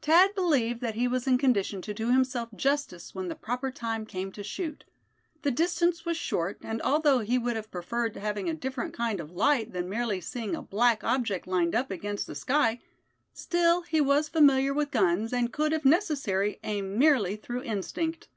Thad believed that he was in condition to do himself justice when the proper time came to shoot. The distance was short, and although he would have preferred having a different kind of light than merely seeing a black object lined up against the sky, still he was familiar with guns, and could, if necessary, aim merely through instinct.